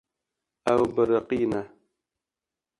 Ew biriqîne.